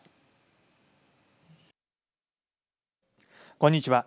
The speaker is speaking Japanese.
こんにちは。